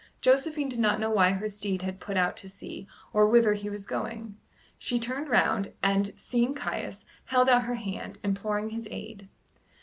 Josephine did not know why her steed had put out to sea, or whither he was going. She turned round, and, seeing Caius, held out her hand, imploring his aid.